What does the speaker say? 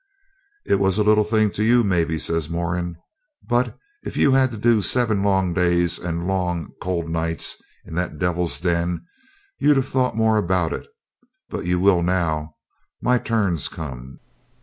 'It was a little thing to you, maybe,' says Moran; 'but if you'd had to do seven long days and long cold nights in that devil's den, you'd 'a thought more about it. But you will now. My turn's come.'